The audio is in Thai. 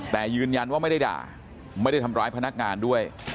แต่ยืนยันว่าไม่ได้ด่าไม่ได้ทำร้ายพนักงานด้วย